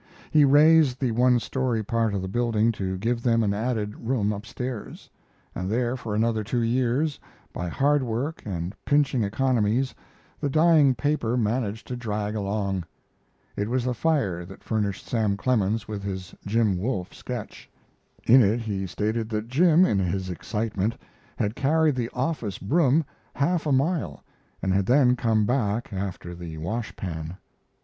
He raised the one story part of the building to give them an added room up stairs; and there for another two years, by hard work and pinching economies, the dying paper managed to drag along. It was the fire that furnished Sam Clemens with his Jim Wolfe sketch. In it he stated that Jim in his excitement had carried the office broom half a mile and had then come back after the wash pan.